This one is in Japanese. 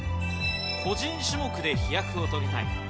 個人種目で飛躍を遂げたい。